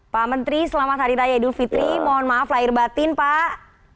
pak menteri selamat hari raya idul fitri mohon maaf lahir batin pak